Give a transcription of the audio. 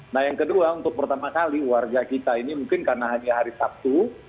nah yang kedua untuk pertama kali warga kita ini mungkin karena hanya hari sabtu